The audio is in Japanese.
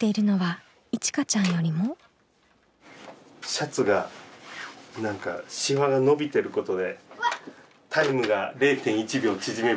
シャツが何かシワが伸びてることでタイムが０．１秒縮めば。